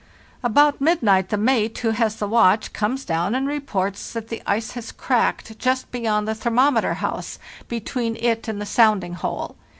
"About midnight the mate, who has the watch, comes down and reports that the ice has cracked just beyond the thermometer house, between it and the sounding hole.